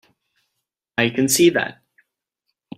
I can see that.